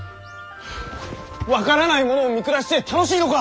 分からない者を見下して楽しいのか！？